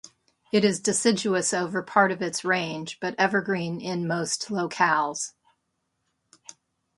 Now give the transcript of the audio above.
It is deciduous over part of its range, but evergreen in most locales.